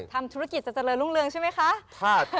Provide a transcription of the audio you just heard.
ทำธุรกิจจะเจริญรุ่งเรืองใช่ไหมคะ